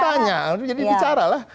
kan ditanya jadi bicara lah